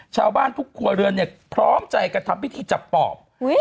ชาวบ้านทุกครัวเรือนเนี่ยพร้อมใจกันทำพิธีจับปอบ